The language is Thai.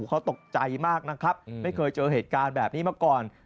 เขาตกใจมากนะครับไม่เคยเจอเหตุการณ์แบบนี้มาก่อน